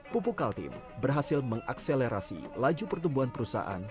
pupuk kaltim berhasil mengakselerasi laju pertumbuhan perusahaan